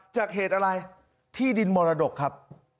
จากเหตุอะไรที่ดินมรดกครับ